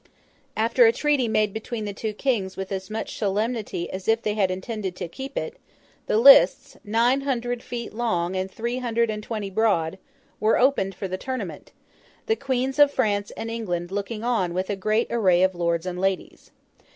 After a treaty made between the two Kings with as much solemnity as if they had intended to keep it, the lists—nine hundred feet long, and three hundred and twenty broad—were opened for the tournament; the Queens of France and England looking on with great array of lords and ladies.